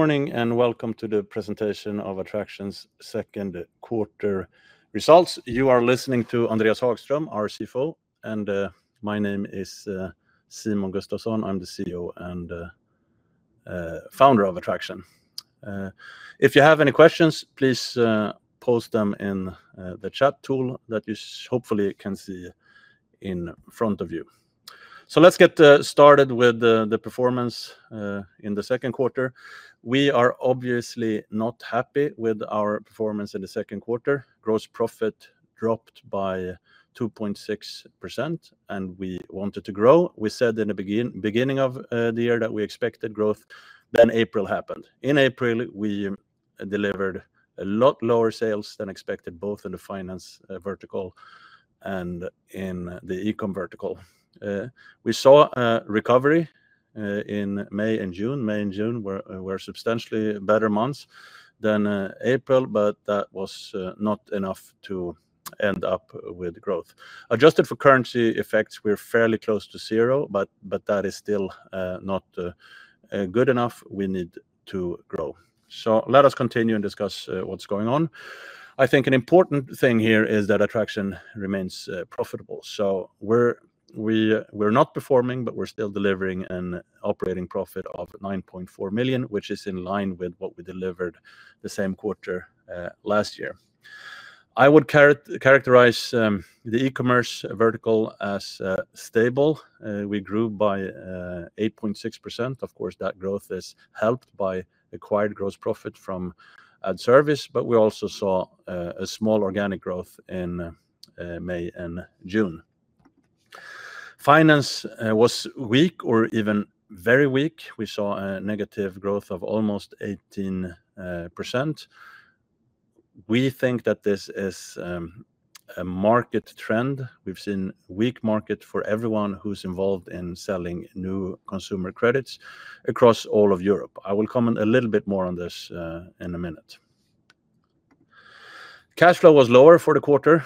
Morning and welcome to the presentation of Adtraction's second quarter results. You are listening to Andreas Hagström, our CFO, and my name is Simon Gustafson. I'm the CEO and founder of Adtraction. If you have any questions, please post them in the chat tool that you hopefully can see in front of you. Let's get started with the performance in the second quarter. We are obviously not happy with our performance in the second quarter. Gross profit dropped by 2.6%, and we wanted to grow. We said in the beginning of the year that we expected growth, then April happened. In April, we delivered a lot lower sales than expected, both in the finance vertical and in the e-commerce vertical. We saw a recovery in May and June. May and June were substantially better months than April, but that was not enough to end up with growth. Adjusted for currency effects, we're fairly close to zero, but that is still not good enough. We need to grow. Let us continue and discuss what's going on. I think an important thing here is that Adtraction remains profitable. We're not performing, but we're still delivering an operating profit of 9.4 million, which is in line with what we delivered the same quarter last year. I would characterize the e-commerce vertical as stable. We grew by 8.6%. Of course, that growth is helped by acquired gross profit from Adrecord, but we also saw a small organic growth in May and June. Finance was weak or even very weak. We saw a negative growth of almost 18%. We think that this is a market trend. We've seen a weak market for everyone who's involved in selling new consumer credits across all of Europe. I will comment a little bit more on this in a minute. Cash flow was lower for the quarter.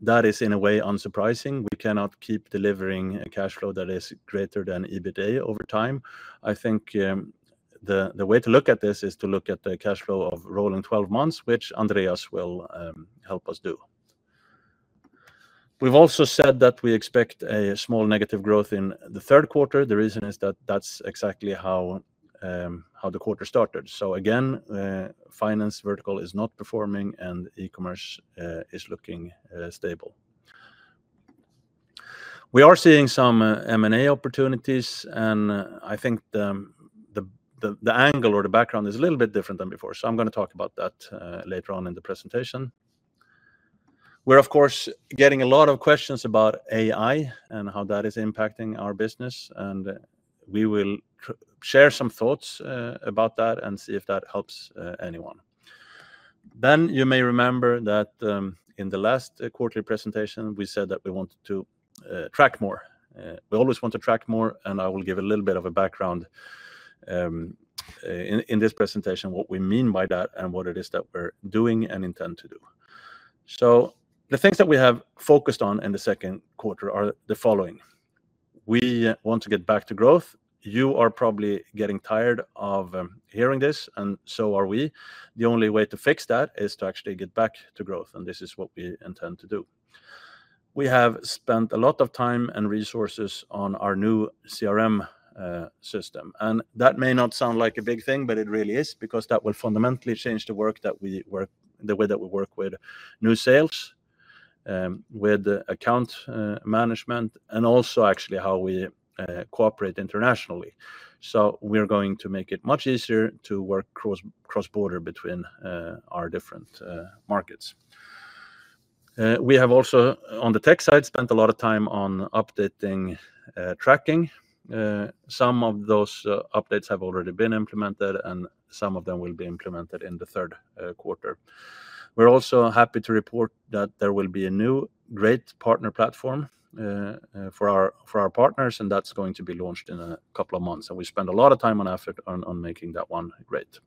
That is in a way unsurprising. We cannot keep delivering a cash flow that is greater than EBITDA over time. I think the way to look at this is to look at the cash flow of rolling 12 months, which Andreas will help us do. We've also said that we expect a small negative growth in the third quarter. The reason is that that's exactly how the quarter started. The finance vertical is not performing and e-commerce is looking stable. We are seeing some M&A opportunities, and I think the angle or the background is a little bit different than before. I'm going to talk about that later on in the presentation. We're, of course, getting a lot of questions about AI and how that is impacting our business, and we will share some thoughts about that and see if that helps anyone. You may remember that in the last quarterly presentation, we said that we wanted to track more. We always want to track more, and I will give a little bit of a background in this presentation what we mean by that and what it is that we're doing and intend to do. The things that we have focused on in the second quarter are the following. We want to get back to growth. You are probably getting tired of hearing this, and so are we. The only way to fix that is to actually get back to growth, and this is what we intend to do. We have spent a lot of time and resources on our new CRM system, and that may not sound like a big thing, but it really is because that will fundamentally change the way that we work with new sales, with account management, and also actually how we cooperate internationally. We're going to make it much easier to work cross-border between our different markets. We have also, on the tech side, spent a lot of time on updating tracking. Some of those updates have already been implemented, and some of them will be implemented in the third quarter. We're also happy to report that there will be a new great partner platform for our partners, and that's going to be launched in a couple of months. We spent a lot of time and effort on making that one great.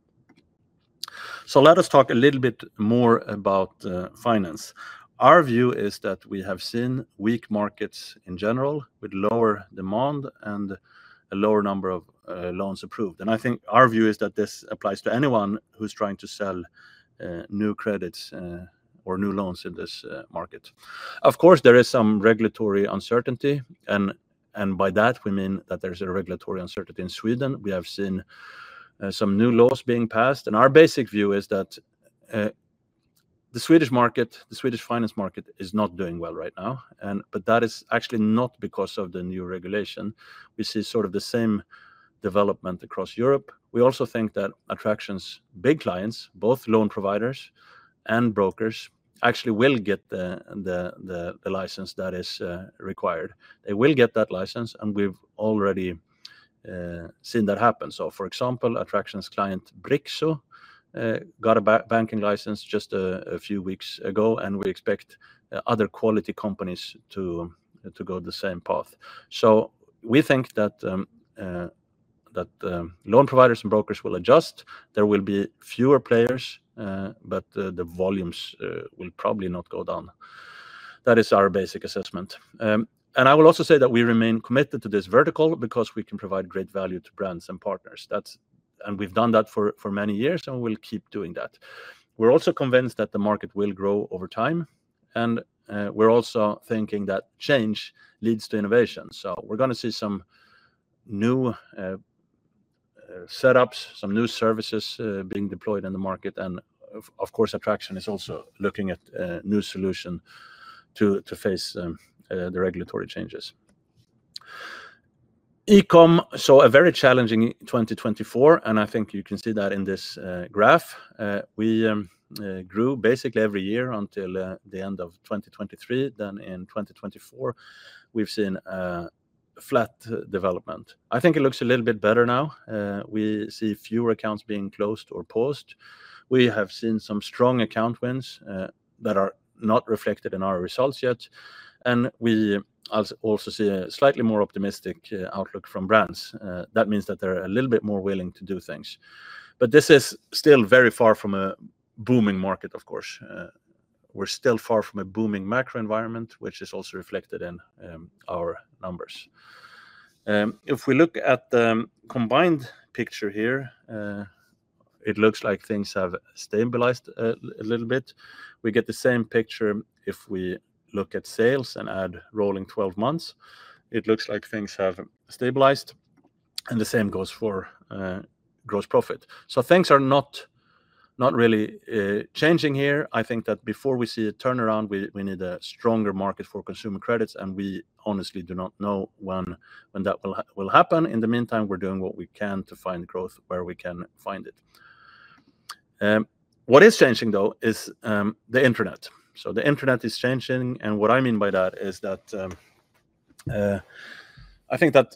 Let us talk a little bit more about finance. Our view is that we have seen weak markets in general with lower demand and a lower number of loans approved. I think our view is that this applies to anyone who's trying to sell new credits or new loans in this market. Of course, there is some regulatory uncertainty, and by that we mean that there's a regulatory uncertainty in Sweden. We have seen some new laws being passed, and our basic view is that the Swedish market, the Swedish finance market is not doing well right now, but that is actually not because of the new regulation. We see sort of the same development across Europe. We also think that Adtraction's big clients, both loan providers and brokers, actually will get the license that is required. They will get that license, and we've already seen that happen. For example, Adtraction's client Brixo got a banking license just a few weeks ago, and we expect other quality companies to go the same path. We think that loan providers and brokers will adjust. There will be fewer players, but the volumes will probably not go down. That is our basic assessment. I will also say that we remain committed to this vertical because we can provide great value to brands and partners. We've done that for many years, and we'll keep doing that. We're also convinced that the market will grow over time, and we're also thinking that change leads to innovation. We are going to see some new setups, some new services being deployed in the market, and of course, Adtraction is also looking at a new solution to face the regulatory changes. E-commerce saw a very challenging 2024, and I think you can see that in this graph. We grew basically every year until the end of 2023. In 2024, we've seen a flat development. I think it looks a little bit better now. We see fewer accounts being closed or paused. We have seen some strong account wins that are not reflected in our results yet, and we also see a slightly more optimistic outlook from brands. That means that they're a little bit more willing to do things. This is still very far from a booming market, of course. We're still far from a booming macro environment, which is also reflected in our numbers. If we look at the combined picture here, it looks like things have stabilized a little bit. We get the same picture if we look at sales and add rolling 12 months. It looks like things have stabilized, and the same goes for gross profit. Things are not really changing here. I think that before we see a turnaround, we need a stronger market for consumer credits, and we honestly do not know when that will happen. In the meantime, we're doing what we can to find growth where we can find it. What is changing, though, is the internet. The internet is changing, and what I mean by that is that I think that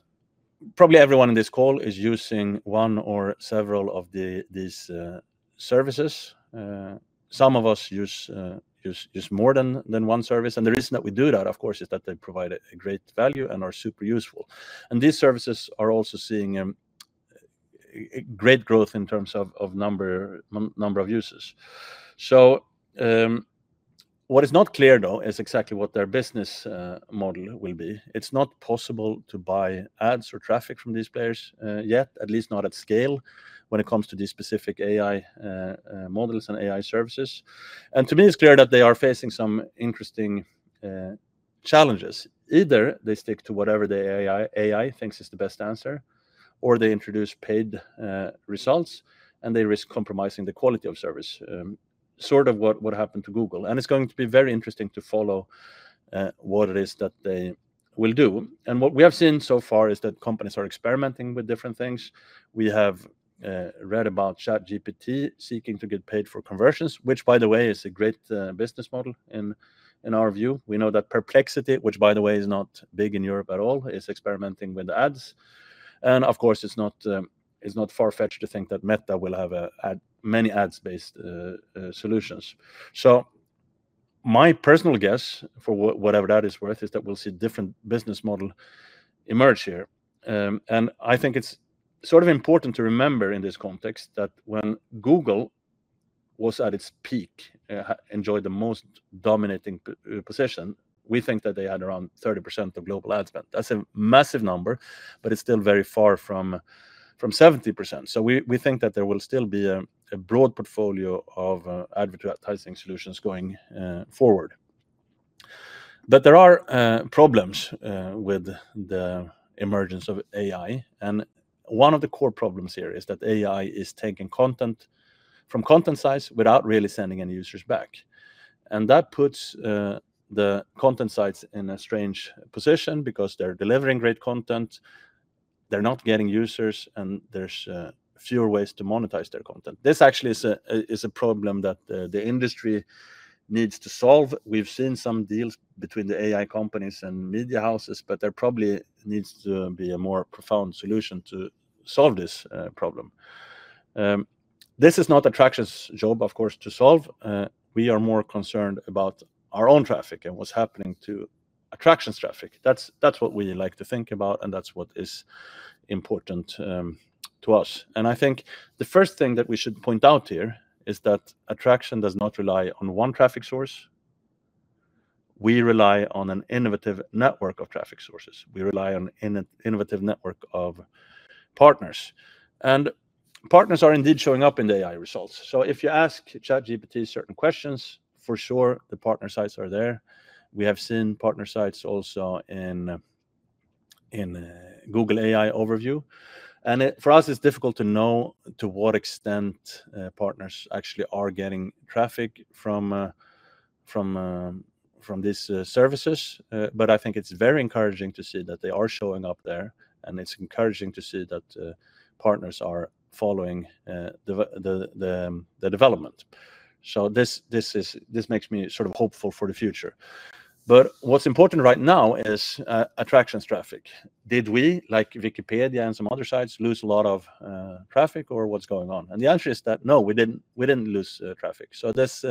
probably everyone in this call is using one or several of these services. Some of us use more than one service, and the reason that we do that, of course, is that they provide a great value and are super useful. These services are also seeing a great growth in terms of number of users. What is not clear, though, is exactly what their business model will be. It's not possible to buy ads or traffic from these players yet, at least not at scale when it comes to these specific AI models and AI services. To me, it's clear that they are facing some interesting challenges. Either they stick to whatever the AI thinks is the best answer, or they introduce paid results, and they risk compromising the quality of service, sort of what happened to Google. It is going to be very interesting to follow what it is that they will do. What we have seen so far is that companies are experimenting with different things. We have read about ChatGPT seeking to get paid for conversions, which, by the way, is a great business model in our view. We know that Perplexity, which, by the way, is not big in Europe at all, is experimenting with ads. Of course, it is not far-fetched to think that Meta will have many ads-based solutions. My personal guess, for whatever that is worth, is that we'll see a different business model emerge here. I think it is sort of important to remember in this context that when Google was at its peak, enjoyed the most dominating position, we think that they had around 30% of global ad spend. That is a massive number, but it is still very far from 70%. We think that there will still be a broad portfolio of advertising solutions going forward. There are problems with the emergence of AI. One of the core problems here is that AI is taking content from content sites without really sending any users back. That puts the content sites in a strange position because they're delivering great content, they're not getting users, and there's fewer ways to monetize their content. This actually is a problem that the industry needs to solve. We've seen some deals between the AI companies and media houses, but there probably needs to be a more profound solution to solve this problem. This is not Adtraction's job, of course, to solve. We are more concerned about our own traffic and what's happening to Adtraction's traffic. That's what we like to think about, and that's what is important to us. I think the first thing that we should point out here is that Adtraction does not rely on one traffic source. We rely on an innovative network of traffic sources. We rely on an innovative network of partners. Partners are indeed showing up in the AI results. If you ask ChatGPT certain questions, for sure, the partner sites are there. We have seen partner sites also in Google AI Overview. For us, it's difficult to know to what extent partners actually are getting traffic from these services, but I think it's very encouraging to see that they are showing up there, and it's encouraging to see that partners are following the development. This makes me sort of hopeful for the future. What's important right now is Adtraction's traffic. Did we, like Wikipedia and some other sites, lose a lot of traffic, or what's going on? The answer is that no, we didn't lose traffic. This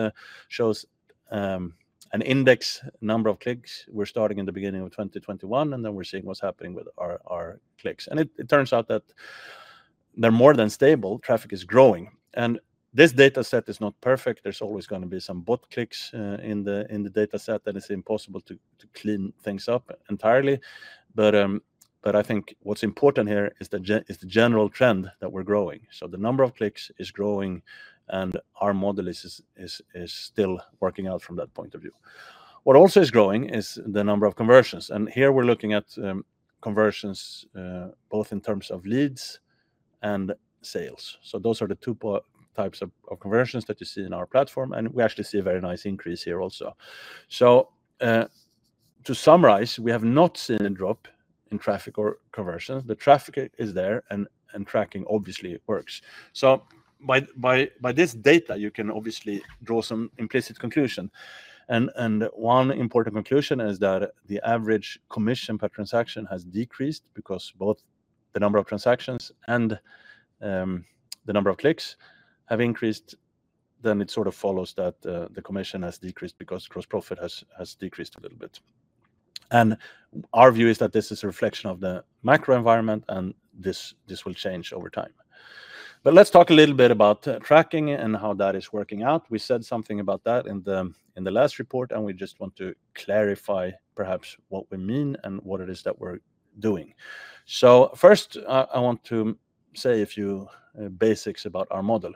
shows an index number of clicks. We're starting in the beginning of 2021, and then we're seeing what's happening with our clicks. It turns out that they're more than stable. Traffic is growing. This data set is not perfect. There's always going to be some bot clicks in the data set that make it impossible to clean things up entirely. I think what's important here is the general trend that we're growing. The number of clicks is growing, and our model is still working out from that point of view. What also is growing is the number of conversions. Here we're looking at conversions both in terms of leads and sales. Those are the two types of conversions that you see in our platform, and we actually see a very nice increase here also. To summarize, we have not seen a drop in traffic or conversions. The traffic is there, and tracking obviously works. By this data, you can obviously draw some implicit conclusions. One important conclusion is that the average commission per transaction has decreased because both the number of transactions and the number of clicks have increased. It sort of follows that the commission has decreased because gross profit has decreased a little bit. Our view is that this is a reflection of the macro environment, and this will change over time. Let's talk a little bit about tracking and how that is working out. We said something about that in the last report, and we just want to clarify perhaps what we mean and what it is that we're doing. First, I want to say a few basics about our model.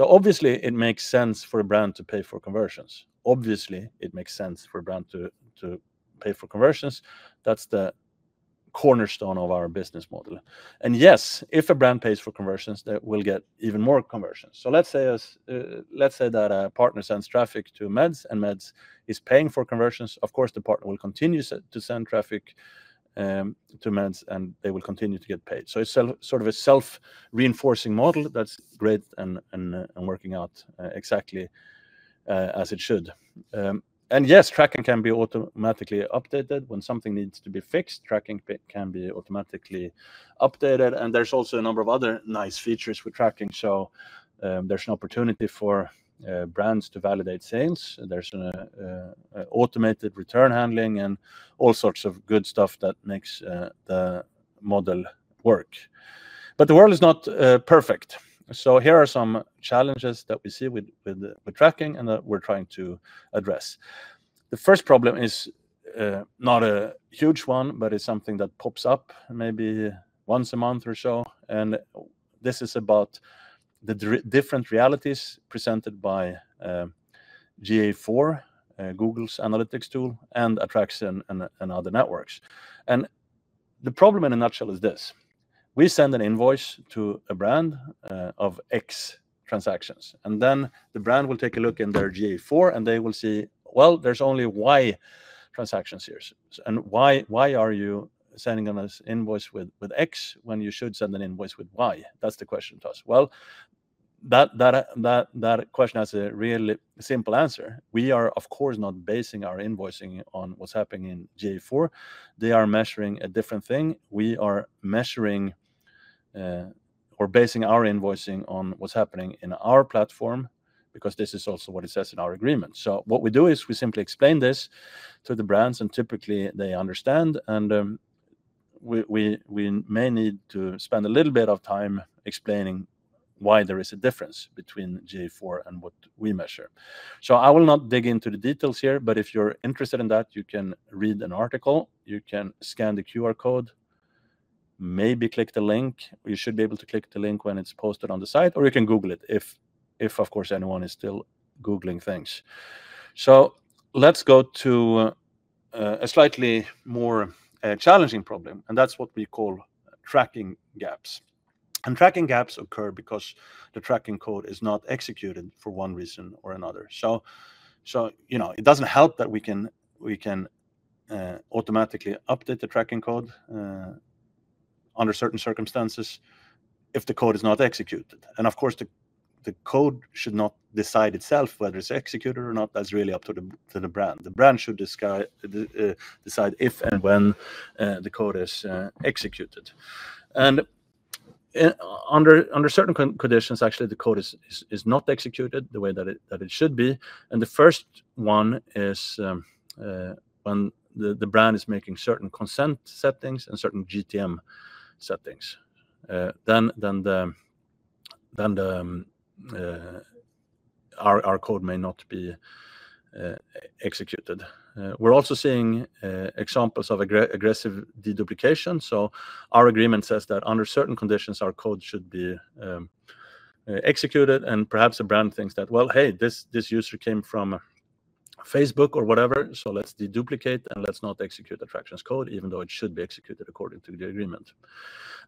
Obviously, it makes sense for a brand to pay for conversions. That's the cornerstone of our business model. Yes, if a brand pays for conversions, they will get even more conversions. Let's say that a partner sends traffic to meds, and meds is paying for conversions. Of course, the partner will continue to send traffic to meds, and they will continue to get paid. It is sort of a self-reinforcing model that's great and working out exactly as it should. Yes, tracking can be automatically updated when something needs to be fixed. Tracking can be automatically updated, and there's also a number of other nice features with tracking. There is an opportunity for brands to validate sales. There is an automated return handling and all sorts of good stuff that makes the model work. The world is not perfect. Here are some challenges that we see with tracking and that we're trying to address. The first problem is not a huge one, but it's something that pops up maybe once a month or so. This is about the different realities presented by GA4, Google's analytics tool, and Adtraction and other networks. The problem in a nutshell is this: we send an invoice to a brand of X transactions, and then the brand will take a look in their GA4, and they will see, there's only Y transactions here. The question is, why are you sending an invoice with X when you should send an invoice with Y? That's the question to us. That question has a really simple answer. We are, of course, not basing our invoicing on what's happening in GA4. They are measuring a different thing. We are measuring or basing our invoicing on what's happening in our platform because this is also what it says in our agreement. What we do is we simply explain this to the brands, and typically, they understand. We may need to spend a little bit of time explaining why there is a difference between GA4 and what we measure. I will not dig into the details here, but if you're interested in that, you can read an article. You can scan the QR code, maybe click the link. You should be able to click the link when it's posted on the site, or you can Google it if, of course, anyone is still Googling things. Let's go to a slightly more challenging problem, and that's what we call tracking gaps. Tracking gaps occur because the tracking code is not executed for one reason or another. It doesn't help that we can automatically update the tracking code under certain circumstances if the code is not executed. The code should not decide itself whether it's executed or not. That's really up to the brand. The brand should decide if and when the code is executed. Under certain conditions, actually, the code is not executed the way that it should be. The first one is when the brand is making certain consent settings and certain GTM settings. Then our code may not be executed. We're also seeing examples of aggressive deduplication. Our agreement says that under certain conditions, our code should be executed, and perhaps a brand thinks that, hey, this user came from Facebook or whatever, so let's deduplicate and let's not execute Adtraction's code, even though it should be executed according to the agreement.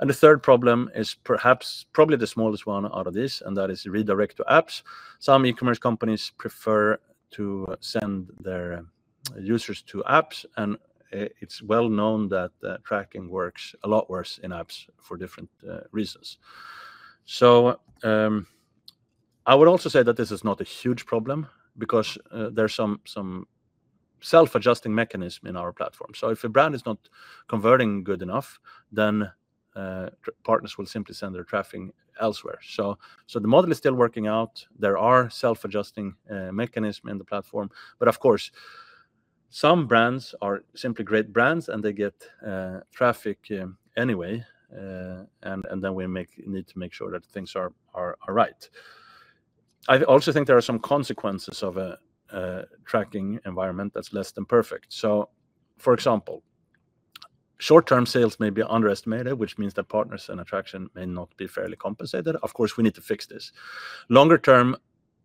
The third problem is probably the smallest one out of this, and that is redirect to apps. Some e-commerce companies prefer to send their users to apps, and it's well known that tracking works a lot worse in apps for different reasons. I would also say that this is not a huge problem because there's some self-adjusting mechanism in our platform. If a brand is not converting good enough, then partners will simply send their traffic elsewhere. The model is still working out. There are self-adjusting mechanisms in the platform. Of course, some brands are simply great brands, and they get traffic anyway, and then we need to make sure that things are right. I also think there are some consequences of a tracking environment that's less than perfect. For example, short-term sales may be underestimated, which means that partners and Adtraction may not be fairly compensated. Of course, we need to fix this. Longer term,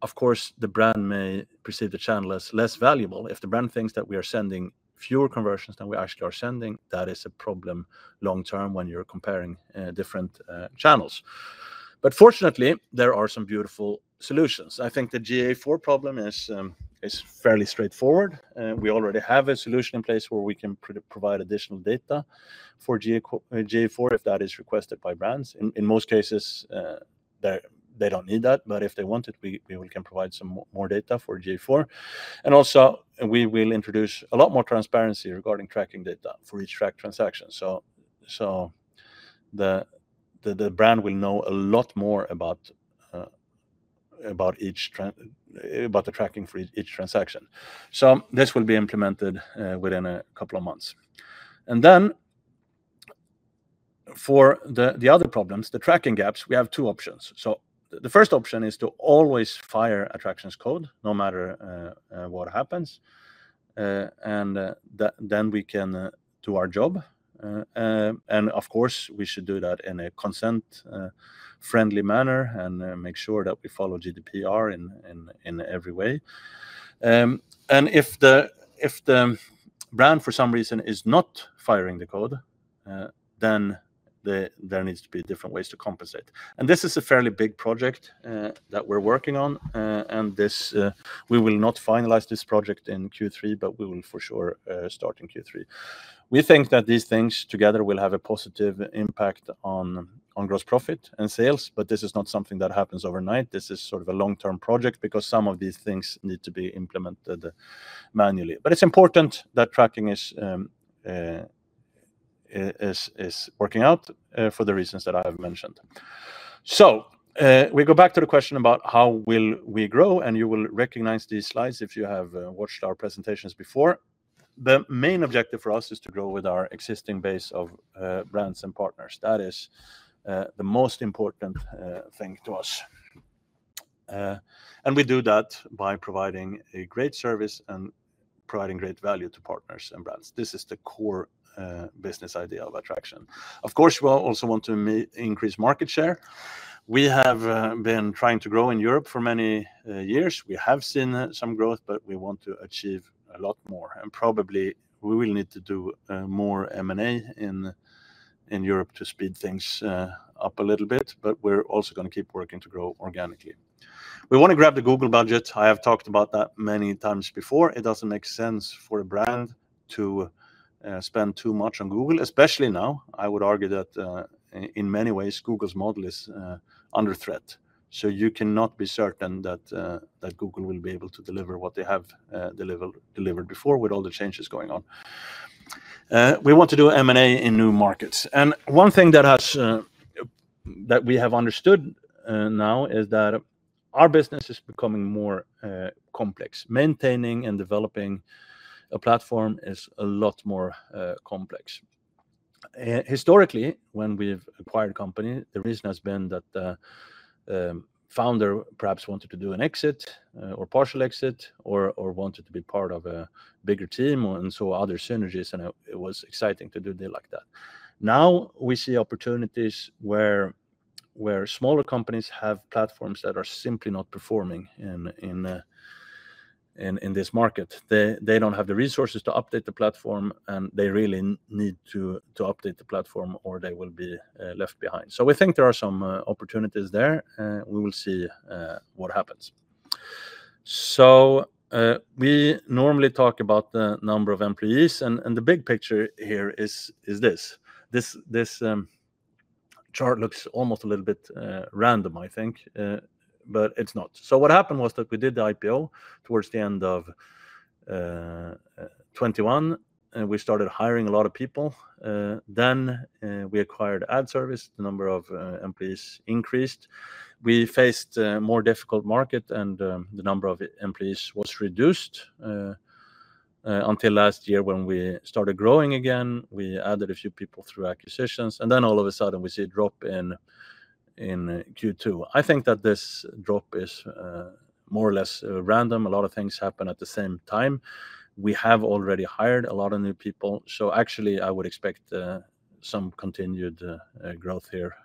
the brand may perceive the channel as less valuable. If the brand thinks that we are sending fewer conversions than we actually are sending, that is a problem long term when you're comparing different channels. Fortunately, there are some beautiful solutions. I think the GA4 problem is fairly straightforward. We already have a solution in place where we can provide additional data for GA4 if that is requested by brands. In most cases, they don't need that, but if they want it, we can provide some more data for GA4. We will introduce a lot more transparency regarding tracking data for each tracked transaction. The brand will know a lot more about the tracking for each transaction. This will be implemented within a couple of months. For the other problems, the tracking gaps, we have two options. The first option is to always fire Adtraction's code no matter what happens, and then we can do our job. Of course, we should do that in a consent-friendly manner and make sure that we follow GDPR in every way. If the brand, for some reason, is not firing the code, then there needs to be different ways to compensate. This is a fairly big project that we're working on. We will not finalize this project in Q3, but we will for sure start in Q3. We think that these things together will have a positive impact on gross profit and sales, but this is not something that happens overnight. This is sort of a long-term project because some of these things need to be implemented manually. It's important that tracking is working out for the reasons that I have mentioned. We go back to the question about how we will grow, and you will recognize these slides if you have watched our presentations before. The main objective for us is to grow with our existing base of brands and partners. That is the most important thing to us. We do that by providing a great service and providing great value to partners and brands. This is the core business idea of Adtraction. We also want to increase market share. We have been trying to grow in Europe for many years. We have seen some growth, but we want to achieve a lot more. Probably, we will need to do more M&A in Europe to speed things up a little bit, but we are also going to keep working to grow organically. We want to grab the Google budgets. I have talked about that many times before. It doesn't make sense for a brand to spend too much on Google, especially now. I would argue that in many ways, Google's model is under threat. You cannot be certain that Google will be able to deliver what they have delivered before with all the changes going on. We want to do M&A in new markets. One thing that we have understood now is that our business is becoming more complex. Maintaining and developing a platform is a lot more complex. Historically, when we've acquired a company, the reason has been that the founder perhaps wanted to do an exit or partial exit or wanted to be part of a bigger team and saw other synergies, and it was exciting to do a deal like that. Now we see opportunities where smaller companies have platforms that are simply not performing in this market. They don't have the resources to update the platform, and they really need to update the platform or they will be left behind. We think there are some opportunities there. We will see what happens. We normally talk about the number of employees, and the big picture here is this. This chart looks almost a little bit random, I think, but it's not. What happened was that we did the IPO towards the end of 2021. We started hiring a lot of people. Then we acquired Adrecord. The number of employees increased. We faced a more difficult market, and the number of employees was reduced until last year when we started growing again. We added a few people through acquisitions, and then all of a sudden we see a drop in Q2. I think that this drop is more or less random. A lot of things happen at the same time. We have already hired a lot of new people. Actually, I would expect some continued growth here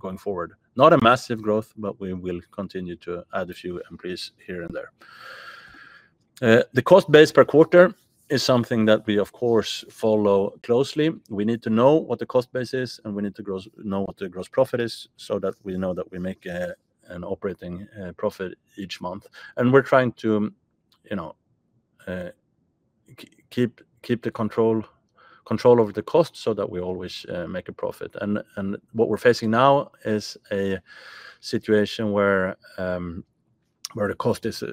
going forward, not a massive growth, but we will continue to add a few employees here and there. The cost base per quarter is something that we, of course, follow closely. We need to know what the cost base is, and we need to know what the gross profit is so that we know that we make an operating profit each month. We're trying to keep the control over the cost so that we always make a profit. What we're facing now is a situation where the cost is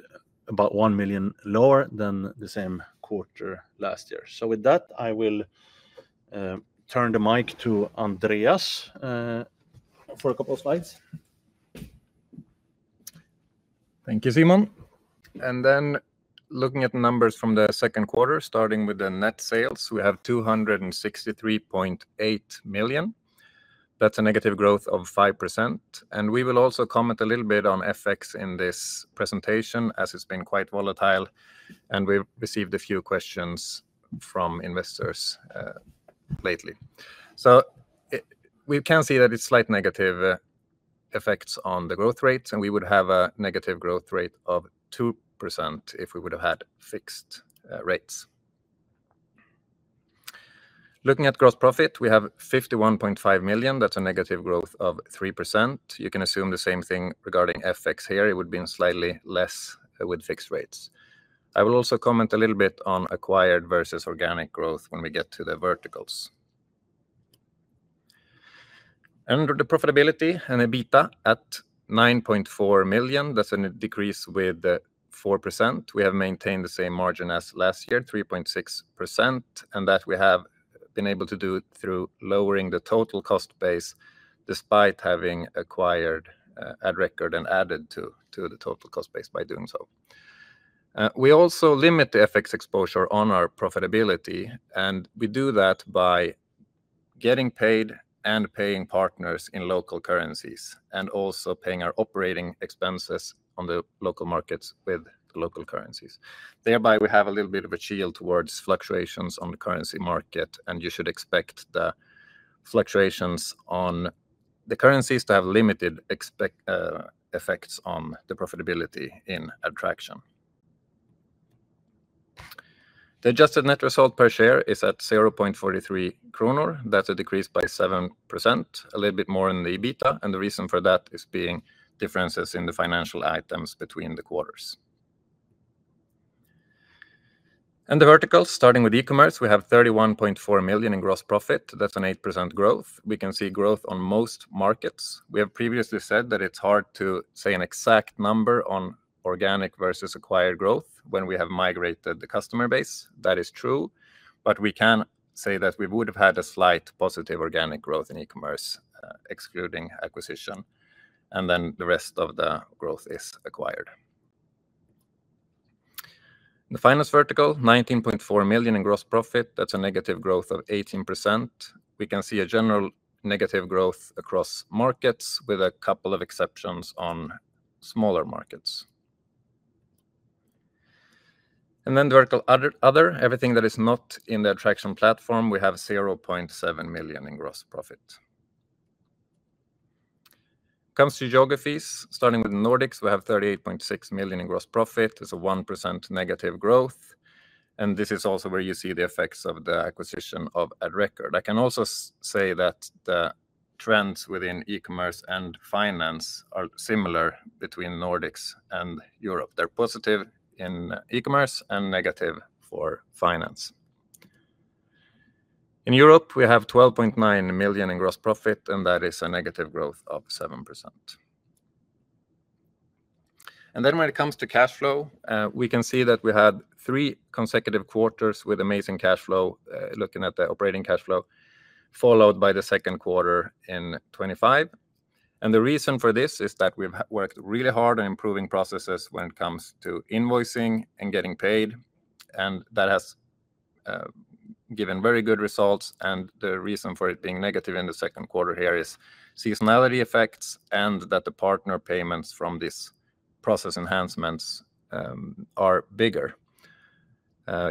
about 1 million lower than the same quarter last year. With that, I will turn the mic to Andreas for a couple of slides. Thank you, Simon. Looking at the numbers from the second quarter, starting with the net sales, we have 263.8 million. That's a negative growth of 5%. We will also comment a little bit on FX in this presentation as it's been quite volatile, and we've received a few questions from investors lately. We can see that it's slight negative effects on the growth rates, and we would have a negative growth rate of 2% if we would have had fixed rates. Looking at gross profit, we have 51.5 million. That's a negative growth of 3%. You can assume the same thing regarding FX here. It would be slightly less with fixed rates. I will also comment a little bit on acquired versus organic growth when we get to the verticals. The profitability and EBITDA at 9.4 million. That's a decrease of 4%. We have maintained the same margin as last year, 3.6%, and that we have been able to do through lowering the total cost base despite having acquired Adrecord and added to the total cost base by doing so. We also limit the FX exposure on our profitability, and we do that by getting paid and paying partners in local currencies and also paying our operating expenses on the local markets with the local currencies. Thereby, we have a little bit of a shield towards fluctuations on the currency market, and you should expect the fluctuations on the currencies to have limited effects on the profitability in Adtraction. The adjusted net result per share is at 0.43 kronor. That's a decrease by 7%, a little bit more in the EBITDA, and the reason for that is differences in the financial items between the quarters. The verticals, starting with e-commerce, we have 31.4 million in gross profit. That's an 8% growth. We can see growth on most markets. We have previously said that it's hard to say an exact number on organic versus acquired growth when we have migrated the client base. That is true, but we can say that we would have had a slight positive organic growth in e-commerce, excluding acquisition, and then the rest of the growth is acquired. The finance vertical, 19.4 million in gross profit. That's a negative growth of 18%. We can see a general negative growth across markets with a couple of exceptions on smaller markets. The vertical other, everything that is not in the Adtraction platform, we have 0.7 million in gross profit. Comes to geographies, starting with Nordics, we have 38.6 million in gross profit. It's a 1% negative growth. This is also where you see the effects of the acquisition of Adrecord. I can also say that the trends within e-commerce and finance are similar between Nordics and Europe. They're positive in e-commerce and negative for finance. In Europe, we have 12.9 million in gross profit, and that is a negative growth of 7%. When it comes to cash flow, we can see that we had three consecutive quarters with amazing cash flow, looking at the operating cash flow, followed by the second quarter in 2025. The reason for this is that we've worked really hard on improving processes when it comes to invoicing and getting paid, and that has given very good results. The reason for it being negative in the second quarter here is seasonality effects and that the partner payments from these process enhancements are bigger.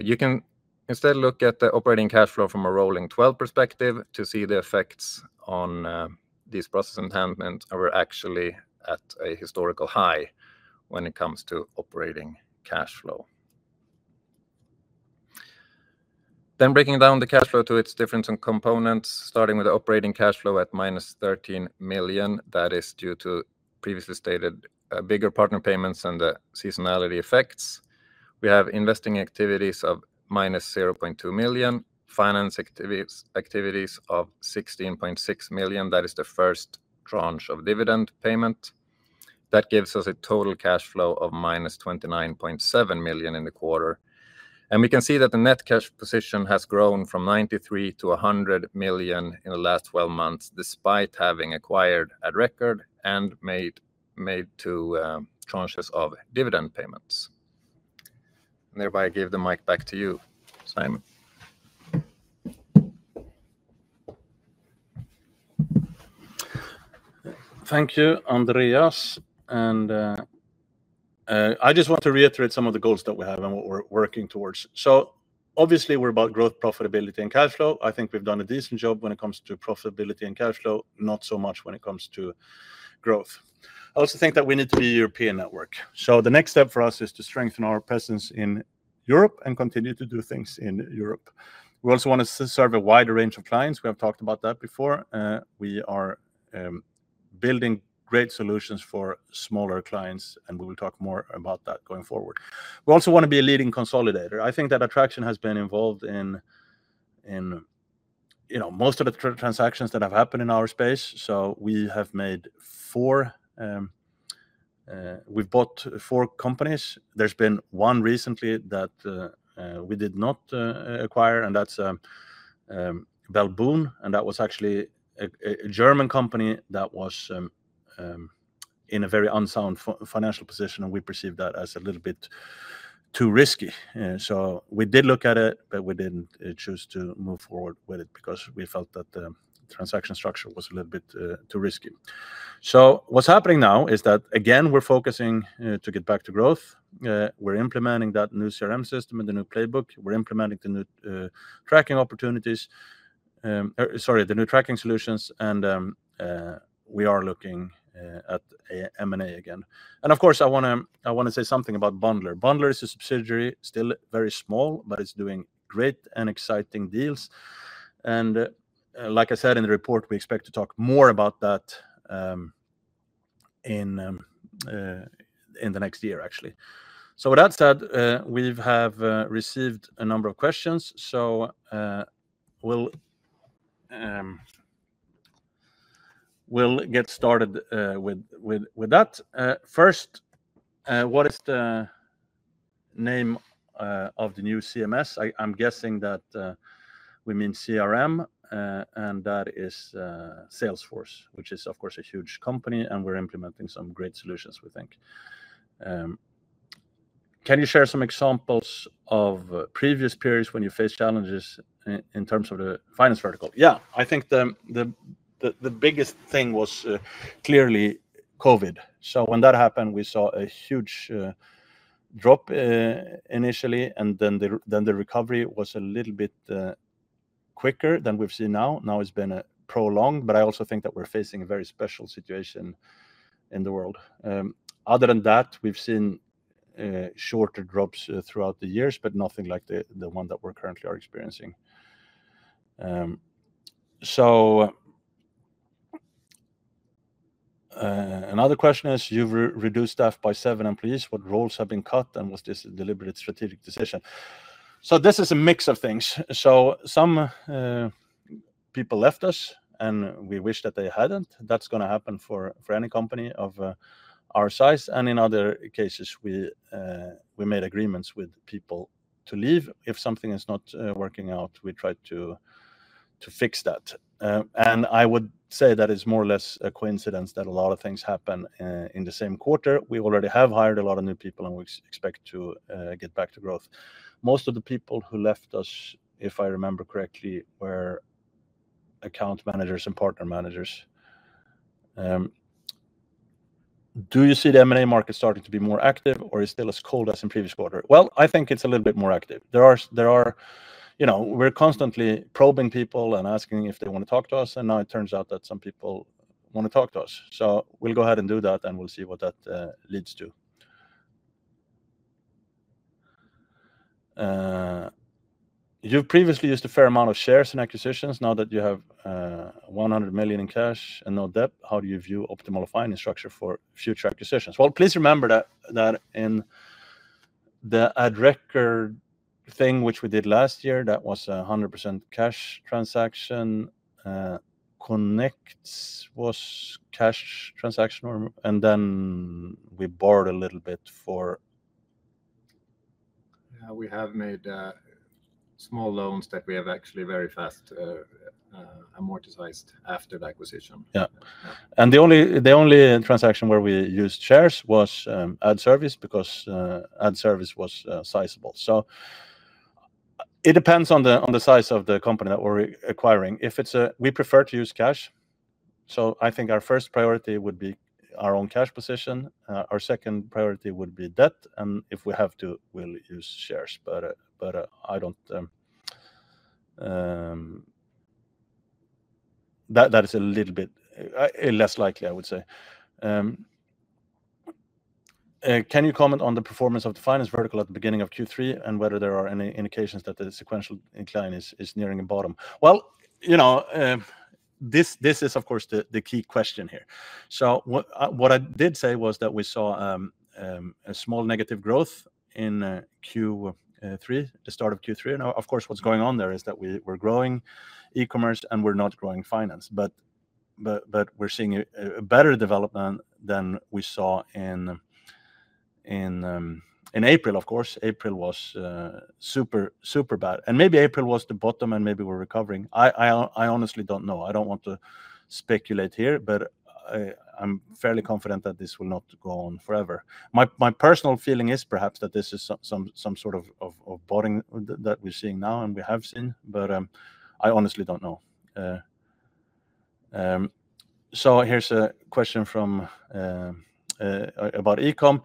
You can instead look at the operating cash flow from a rolling 12 perspective to see the effects on these process enhancements, and we're actually at a historical high when it comes to operating cash flow. Breaking down the cash flow to its different components, starting with operating cash flow at -13 million. That is due to previously stated bigger partner payments and the seasonality effects. We have investing activities of -0.2 million, finance activities of 16.6 million. That is the first tranche of dividend payment. That gives us a total cash flow of -29.7 million in the quarter. We can see that the net cash position has grown from 93 million to 100 million in the last 12 months despite having acquired Adrecord and made two conscious dividend payments. Nearby, I give the mic back to you, Simon. Thank you, Andreas. I just want to reiterate some of the goals that we have and what we're working towards. Obviously, we're about growth, profitability, and cash flow. I think we've done a decent job when it comes to profitability and cash flow, not so much when it comes to growth. I also think that we need to be a European network. The next step for us is to strengthen our presence in Europe and continue to do things in Europe. We also want to serve a wider range of clients. We have talked about that before. We are building great solutions for smaller clients, and we will talk more about that going forward. We also want to be a leading consolidator. I think that Adtraction has been involved in most of the transactions that have happened in our space. We have made four, we've bought four companies. There has been one recently that we did not acquire, and that's Bell Boom. That was actually a German company that was in a very unsound financial position, and we perceived that as a little bit too risky. We did look at it, but we didn't choose to move forward with it because we felt that the transaction structure was a little bit too risky. What's happening now is that, again, we're focusing to get back to growth. We're implementing that new CRM system and the new playbook. We're implementing the new tracking opportunities, sorry, the new tracking solutions, and we are looking at M&A again. Of course, I want to say something about Bundler. Bundler is a subsidiary, still very small, but it's doing great and exciting deals. Like I said in the report, we expect to talk more about that in the next year, actually. With that said, we have received a number of questions. We'll get started with that. First, what is the name of the new CMS? I'm guessing that we mean CRM, and that is Salesforce, which is, of course, a huge company, and we're implementing some great solutions, we think. Can you share some examples of previous periods when you faced challenges in terms of the finance vertical? I think the biggest thing was clearly COVID. When that happened, we saw a huge drop initially, and then the recovery was a little bit quicker than we've seen now. Now it's been prolonged, but I also think that we're facing a very special situation in the world. Other than that, we've seen shorter drops throughout the years, but nothing like the one that we currently are experiencing. Another question is, you've reduced staff by seven employees. What roles have been cut, and was this a deliberate strategic decision? This is a mix of things. Some people left us, and we wish that they hadn't. That's going to happen for any company of our size. In other cases, we made agreements with people to leave. If something is not working out, we try to fix that. I would say that it's more or less a coincidence that a lot of things happen in the same quarter. We already have hired a lot of new people, and we expect to get back to growth. Most of the people who left us, if I remember correctly, were account managers and partner managers. Do you see the M&A market starting to be more active, or is it still as cold as in the previous quarter? I think it's a little bit more active. We're constantly probing people and asking if they want to talk to us, and now it turns out that some people want to talk to us. We'll go ahead and do that, and we'll see what that leads to. You previously used a fair amount of shares in acquisitions. Now that you have 100 million in cash and no debt, how do you view optimal finance structure for future acquisitions? Please remember that in the Adrecord thing, which we did last year, that was a 100% cash transaction. Konext was a cash transaction, and then we borrowed a little bit for. We have made small loans that we have actually very fast amortized after the acquisition. Yeah. The only transaction where we used shares was Adrecord because Adrecord was sizable. It depends on the size of the company that we're acquiring. If it's a, we prefer to use cash. I think our first priority would be our own cash position. Our second priority would be debt, and if we have to, we'll use shares. I don't, that is a little bit less likely, I would say. Can you comment on the performance of the finance vertical at the beginning of Q3 and whether there are any indications that the sequential decline is nearing the bottom? This is, of course, the key question here. What I did say was that we saw a small negative growth in Q3, the start of Q3. What's going on there is that we're growing e-commerce and we're not growing finance. We're seeing a better development than we saw in April, of course. April was super, super bad. Maybe April was the bottom and maybe we're recovering. I honestly don't know. I don't want to speculate here, but I'm fairly confident that this will not go on forever. My personal feeling is perhaps that this is some sort of bottoming that we're seeing now and we have seen, but I honestly don't know. Here's a question about e-com.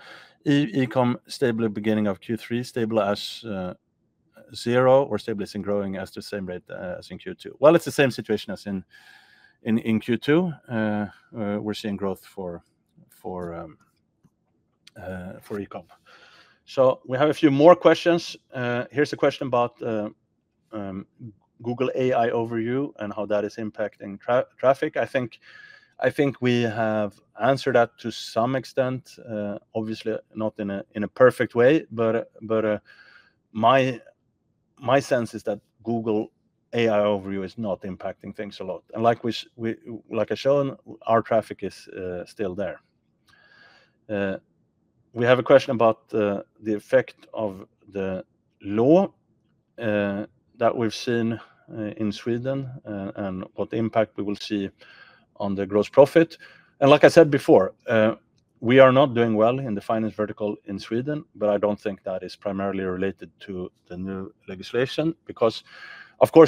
E-com stable at the beginning of Q3, stable as zero or stabilizing, growing at the same rate as in Q2. It's the same situation as in Q2. We're seeing growth for e-com. We have a few more questions. Here's a question about Google AI Overview and how that is impacting traffic. I think we have answered that to some extent, obviously not in a perfect way, but my sense is that Google AI Overview is not impacting things a lot. Like I've shown, our traffic is still there. We have a question about the effect of the law that we've seen in Sweden and what impact we will see on the gross profit. Like I said before, we are not doing well in the finance vertical in Sweden, but I don't think that is primarily related to the new legislation because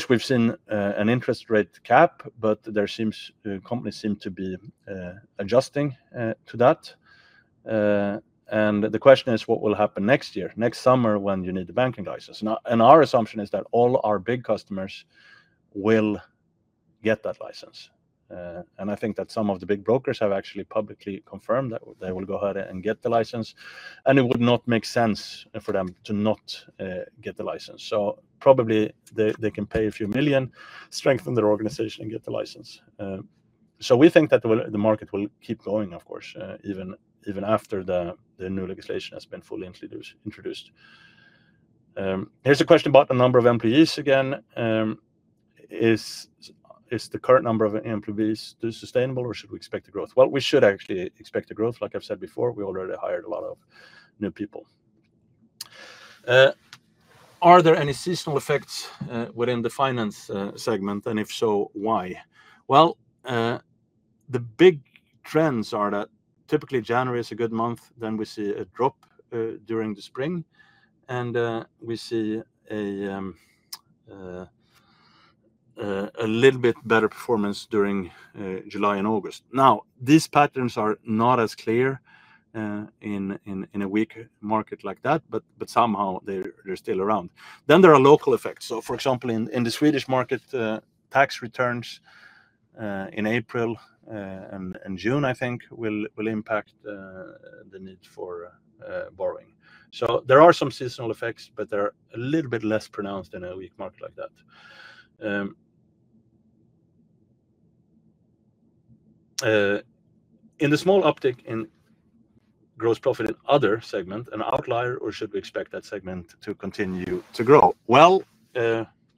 we've seen an interest rate cap, but companies seem to be adjusting to that. The question is what will happen next year, next summer when you need the banking license. Our assumption is that all our big customers will get that license. I think that some of the big brokers have actually publicly confirmed that they will go ahead and get the license, and it would not make sense for them to not get the license. They can probably pay a few million, strengthen their organization, and get the license. We think that the market will keep going, of course, even after the new legislation has been fully introduced. Here's a question about the number of employees again. Is the current number of employees sustainable, or should we expect growth? We should actually expect growth. Like I've said before, we already hired a lot of new people. Are there any seasonal effects within the finance vertical, and if so, why? The big trends are that typically January is a good month. We see a drop during the spring, and we see a little bit better performance during July and August. These patterns are not as clear in a weak market like that, but somehow they're still around. There are local effects. For example, in the Swedish market, tax returns in April and June, I think, will impact the need for borrowing. There are some seasonal effects, but they're a little bit less pronounced in a weak market like that. Is the small uptick in gross profit in other segments an outlier, or should we expect that segment to continue to grow?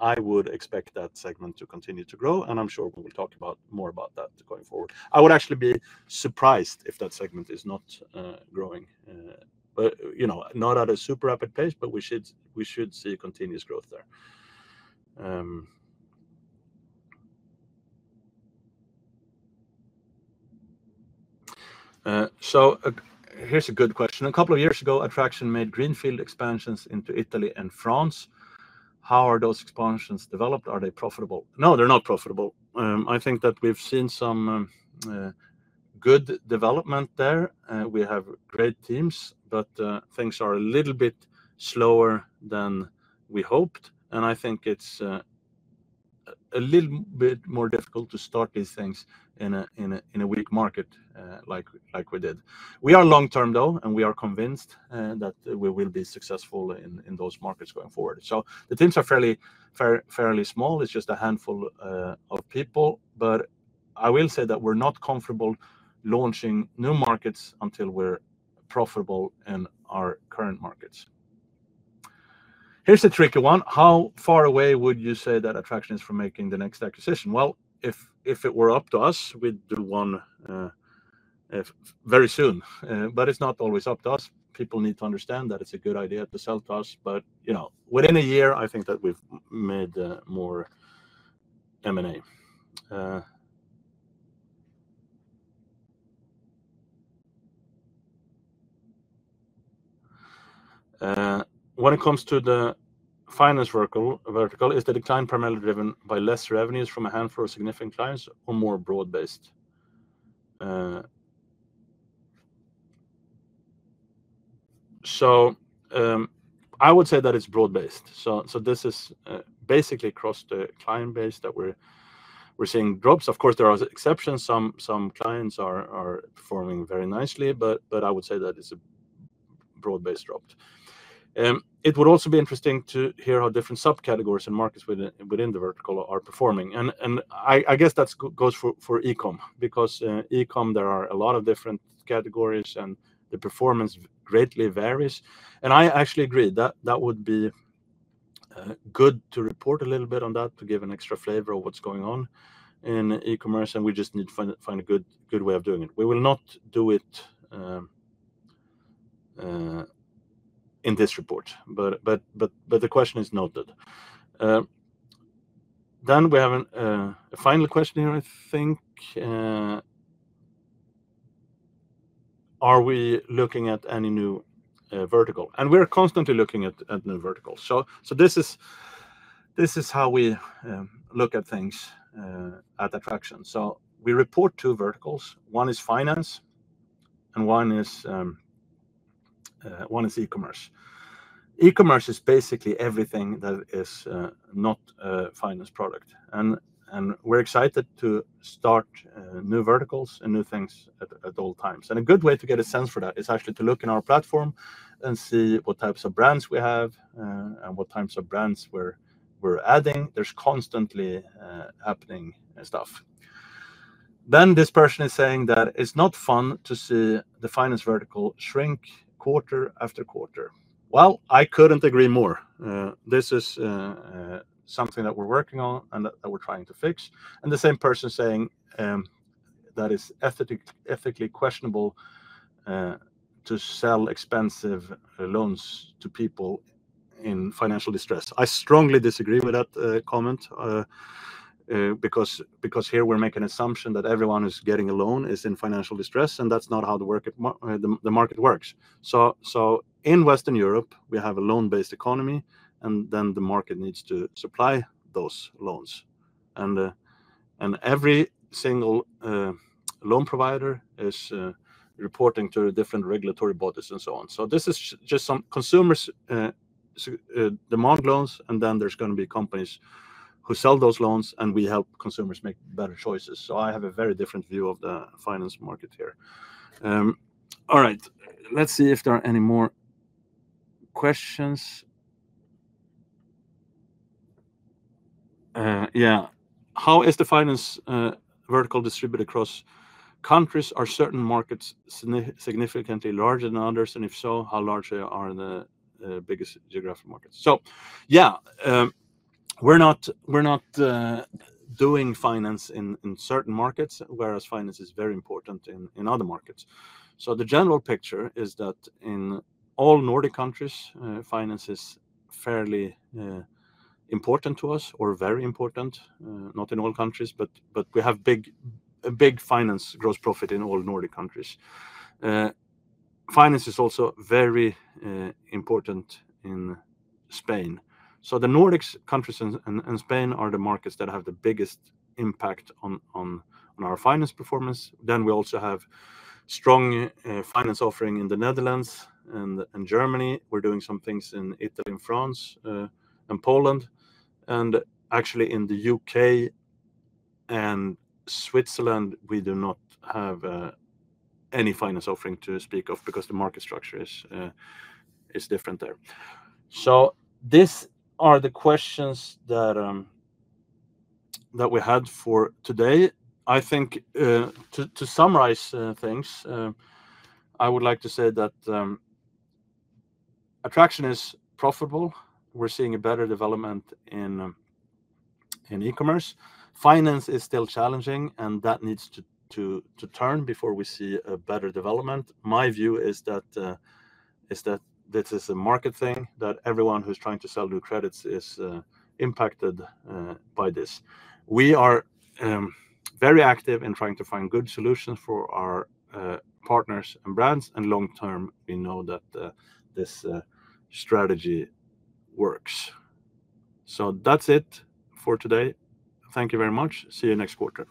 I would expect that segment to continue to grow, and I'm sure we'll talk more about that going forward. I would actually be surprised if that segment is not growing, but not at a super rapid pace, but we should see continuous growth there. Here's a good question. A couple of years ago, Adtraction made greenfield expansions into Italy and France. How have those expansions developed? Are they profitable? No, they're not profitable. I think that we've seen some good development there. We have great teams, but things are a little bit slower than we hoped. I think it's a little bit more difficult to start these things in a weak market like we did. We are long-term, though, and we are convinced that we will be successful in those markets going forward. The teams are fairly small. It's just a handful of people, but I will say that we're not comfortable launching new markets until we're profitable in our current markets. Here's a tricky one. How far away would you say that Adtraction is from making the next acquisition? If it were up to us, we'd do one very soon. It's not always up to us. People need to understand that it's a good idea to sell to us. Within a year, I think that we've made more M&A. When it comes to the finance vertical, is the decline primarily driven by less revenues from a handful of significant clients or more broad-based? I would say that it's broad-based. This is basically across the client base that we're seeing drops. Of course, there are exceptions. Some clients are performing very nicely, but I would say that it's a broad-based drop. It would also be interesting to hear how different subcategories and markets within the vertical are performing. I guess that goes for e-com because e-com, there are a lot of different categories, and the performance greatly varies. I actually agree that that would be good to report a little bit on that to give an extra flavor of what's going on in e-commerce, and we just need to find a good way of doing it. We will not do it in this report, but the question is noted. We have a final question here, I think. Are we looking at any new vertical? We're constantly looking at new verticals. This is how we look at things at Adtraction. We report two verticals. One is finance, and one is e-commerce. E-commerce is basically everything that is not a finance product. We're excited to start new verticals and new things at all times. A good way to get a sense for that is actually to look in our platform and see what types of brands we have and what types of brands we're adding. There's constantly happening stuff. This person is saying that it's not fun to see the finance vertical shrink quarter after quarter. I couldn't agree more. This is something that we're working on and that we're trying to fix. The same person is saying that it's ethically questionable to sell expensive loans to people in financial distress. I strongly disagree with that comment because here we're making an assumption that everyone who's getting a loan is in financial distress, and that's not how the market works. In Western Europe, we have a loan-based economy, and the market needs to supply those loans. Every single loan provider is reporting to different regulatory bodies and so on. Some consumers demand loans, and then there's going to be companies who sell those loans, and we help consumers make better choices. I have a very different view of the finance market here. Let's see if there are any more questions. How is the finance vertical distributed across countries? Are certain markets significantly larger than others? If so, how large are the biggest geographic markets? We're not doing finance in certain markets, whereas finance is very important in other markets. The general picture is that in all Nordic countries, finance is fairly important to us or very important, not in all countries, but we have a big finance gross profit in all Nordic countries. Finance is also very important in Spain. The Nordic countries and Spain are the markets that have the biggest impact on our finance performance. We also have strong finance offering in the Netherlands and Germany. We're doing some things in Italy, France, and Poland. In the U.K. and Switzerland, we do not have any finance offering to speak of because the market structure is different there. These are the questions that we had for today. To summarize things, I would like to say that Adtraction is profitable. We're seeing a better development in e-commerce Finance is still challenging, and that needs to turn before we see a better development. My view is that this is a market thing, that everyone who's trying to sell new credits is impacted by this. We are very active in trying to find good solutions for our partners and brands, and long-term, we know that this strategy works. That's it for today. Thank you very much. See you next quarter.